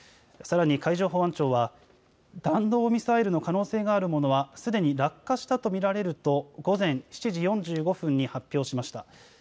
さらに海上保安庁は弾道ミサイルの可能性があるものはすでに落下したと見られると午前７時４５分に発表しました。